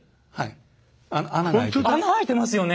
穴あいてますよね？